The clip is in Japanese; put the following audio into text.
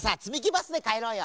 バスでかえろうよ。